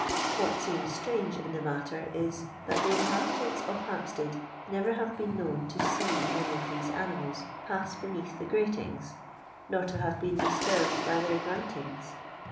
What seems strange in the matter is, that the inhabitants of Hamp Stoad never have been known to scto any of these animals pass beneath the gratings, nor to have been disturbed by their gruntings.